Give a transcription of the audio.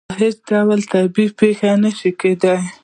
دا په هېڅ ډول طبیعي پېښه نه شي کېدای.